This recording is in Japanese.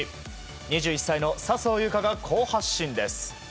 ２１歳の笹生優花が好発進です。